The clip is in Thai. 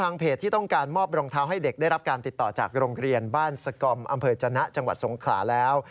เพจที่ต้องการมอบรองเท้าให้เด็กได้รับการติดต่อจากโรงเรียนบ้านสกอมอำเภอจนะจังหวัดสงขลาแล้ว